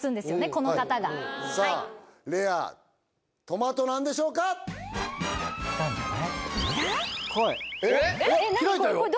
この方がさあレアトマトなんでしょうかいった？